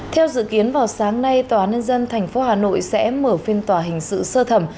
theo dự kiến vào sáng nay tòa án nhân dân tp hà nội sẽ mở phiên tòa hình sự sơ thẩm